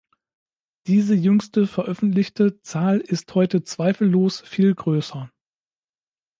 Diese jüngste veröffentlichte Zahl ist heute zweifellos viel größer.